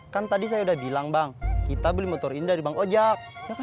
kan tadi saya udah bilang bang kita beli motor ini dari bang ojek